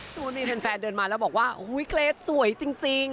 เจ้ามีเพลินแฟนเดินมาแล้วบอกว่าเฮ่ยเกรทย์สวยจริง